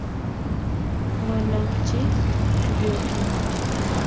ng'olonchin kiryokindet